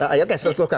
ayatnya saya turutkan